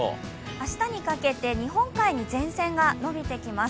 明日にかけて日本海に前線がのびてきます。